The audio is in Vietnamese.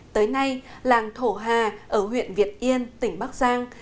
tới nay làng thổ hà ở huyện việt yên tỉnh bắc giang